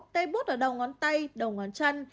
tê bút ở đầu ngón tay đầu ngón chân